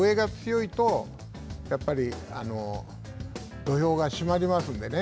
上が強いとやっぱり土俵が締まりますのでね。